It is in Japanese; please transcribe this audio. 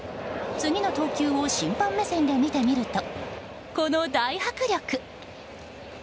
次の投球を審判目線で見てみるとこの大迫力。